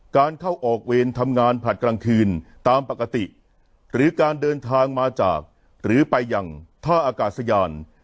การเข้าออกเวรทำงานผลัดกลางคืนตามปกติหรือการเดินทางมาจากหรือไปอย่างท่าอากาศยาน